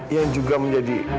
yang juga menjadi